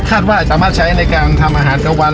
คาดว่าเราจะประมาณใช้ในการทำอาหารเที่ยววัน